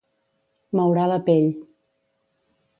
Maurar la pell.